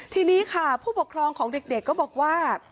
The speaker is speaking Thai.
ทีนี้ค่ะผู้ปกครองของเด็กก็บอกว่า